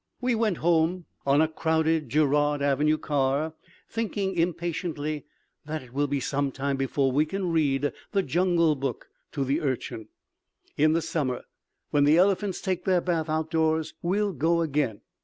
We went home on a crowded Girard Avenue car, thinking impatiently that it will be some time before we can read "The Jungle Book" to the Urchin. In the summer, when the elephants take their bath outdoors, we'll go again.